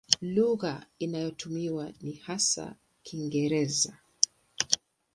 Lugha inayotumiwa ni hasa Kiingereza.